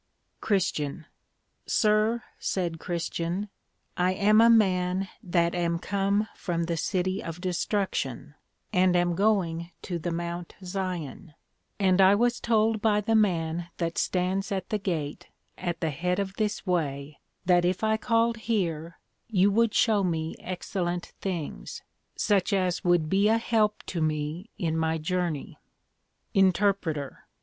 CHR. Sir, said Christian, I am a man that am come from the City of Destruction, and am going to the Mount Zion; and I was told by the Man that stands at the Gate at the head of this way, that if I called here, you would shew me excellent things, such as would be a help to me in my Journey. INTER.